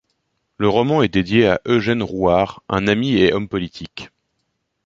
Le roman est dédié à Eugène Rouart, un ami et homme politique.